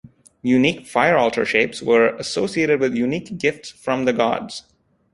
Unique fire-altar shapes were associated with unique gifts from the Gods.